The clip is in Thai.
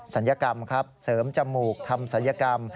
ศัลยกรรมครับเสริมจมูกทำศัลยกรรม